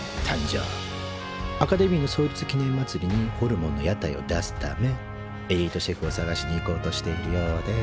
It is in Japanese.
アカデミーの創立記念まつりにホルモンの屋台を出すためエリートシェフを探しに行こうとしているようです